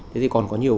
thế thì còn có nhiều